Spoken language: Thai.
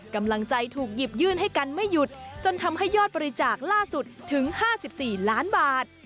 กำลังใจถูกหยิบยื่นให้กันไม่หยุดจนทำให้ยอดบริจาคล่าสุดถึง๕๔ล้านบาท